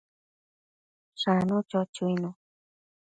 Shanu, cho chuinu